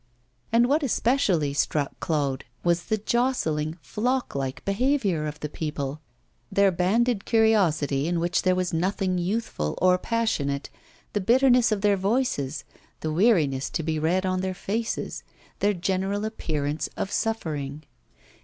And what especially struck Claude was the jostling flock like behaviour of the people, their banded curiosity in which there was nothing youthful or passionate, the bitterness of their voices, the weariness to be read on their faces, their general appearance of suffering.